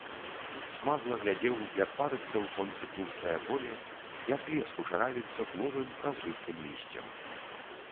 Смагла глядзеў, як парыцца ў сонцы тлустае поле, як лес кучаравіцца кволым, празрыстым лісцем.